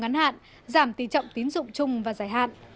giảm tỉ trọng tín dụng ngắn hạn giảm tỉ trọng tín dụng chung và giải hạn